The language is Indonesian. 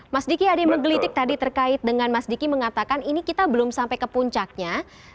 mas diki ada yang menggelitik tadi terkait dengan mas diki mengatakan ini kita belum sampai ke puncaknya